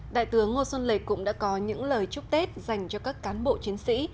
đại tướng ngô xuân lịch cũng đã có những lời chúc tết dành cho các cán bộ chiến sĩ